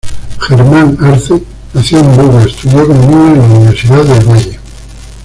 Germán Arce nació en Buga estudió economía en la Universidad del Valle.